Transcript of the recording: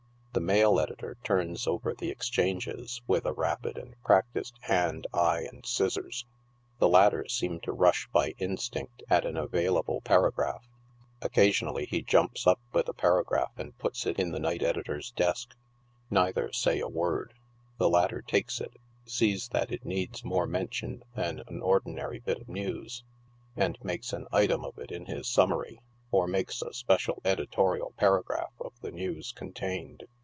The mail editor turns over the exchanges with a rapid and practiced hand, eye and scissors. The latter seem to rush by instinct at an available paragraph. Occasionally he jumps up with a paragraph and puts it in the night editor's desk. Neither say a word ; the latter takes it, seos that it needs more mention than an ordinary bit of news, and makes an item of it in his summary, or makes a special editorial paragraph of the news contained.